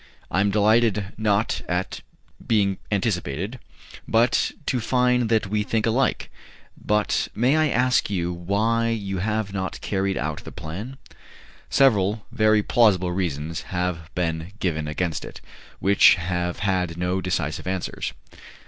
"I am delighted, not at being anticipated, but to find that we think alike; but may I ask you why you have not carried out the plan?" "Several very plausible reasons have been given against it, which have had no decisive answers."